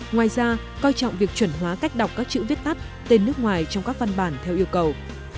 ngoài ra coi trọng việc chuẩn hóa cách đọc các chữ viết tắt tên nước ngoài trong các văn bản theo yêu cầu